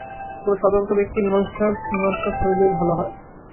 কোন স্বতন্ত্র ব্যক্তি মীমাংসক হইলেই ভাল হয়।